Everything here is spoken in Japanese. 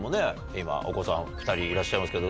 今お子さん２人いらっしゃいますけど。